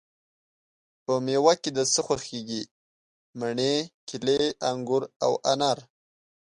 په میوه کی د څه خوښیږی؟ مڼې، کیلې، انګور او انار